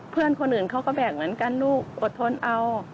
เพื่อนคนอื่นเขาก็แบกเหมือนกันลูกอดทนเอา